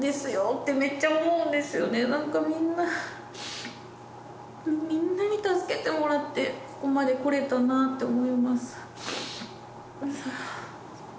なんかみんなみんなに助けてもらってここまでこられたなって思います。